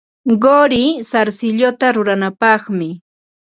Quri sarsilluta ruranapaqmi.